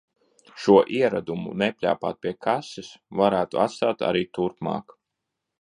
Šo ieradumu – nepļāpāt pie kases - varētu atstāt arī turpmāk.